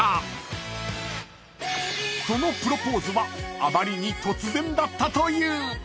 ［そのプロポーズはあまりに突然だったという］